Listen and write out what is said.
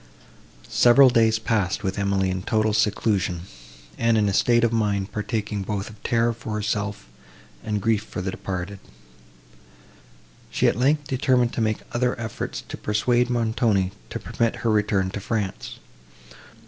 Several days passed with Emily in total seclusion, and in a state of mind partaking both of terror for herself, and grief for the departed. She, at length, determined to make other efforts to persuade Montoni to permit her return to France.